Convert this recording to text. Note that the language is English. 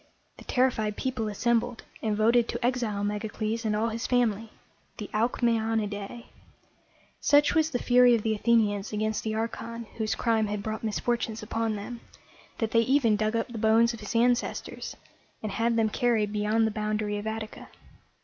The terrified people assembled, and voted to exile Megacles and all his family, the Alc mæ on´i dæ. Such was the fury of the Athenians against the archon whose crime had brought misfortunes upon them, that they even dug up the bones of his ancestors, and had them carried beyond the boundary of Attica.